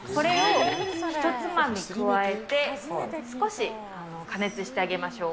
これをひとつまみ加えて、少し加熱してあげましょう。